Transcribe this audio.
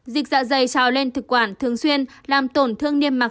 dịch dạ dày trào lên thực quản thường xuyên làm tổn thương niêm mạc